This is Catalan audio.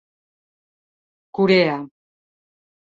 Corea.